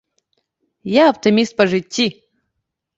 Я аптыміст па жыцці!